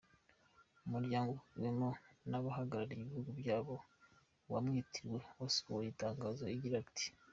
Umuryango uhuriwemo n'abahagarariye ibihugu byabo wamwitiriwe, wasohoye itangazo ugira uti:.